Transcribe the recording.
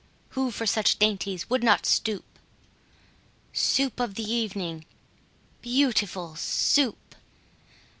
Who for such dainties would not stoop? Soup of the evening, beautiful Soup!